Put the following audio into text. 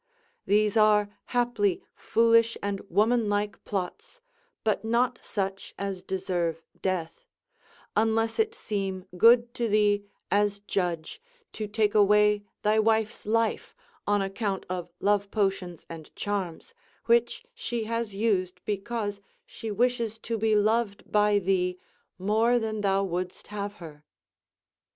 These are haply foolish and woman like plots, but not such as deserve death, unless it seem good to thee as judge to take away thy wife's life on account of love potions and charms, which she has used because she wishes to be loved by thee more than thou wouldst have her.